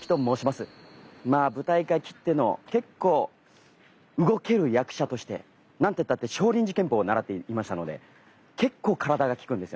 まあ舞台界きっての結構動ける役者としてなんてったって少林寺拳法習っていましたので結構体が利くんですよね。